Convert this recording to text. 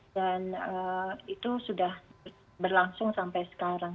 dan itu sudah berlangsung sampai sekarang